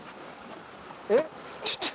えっ？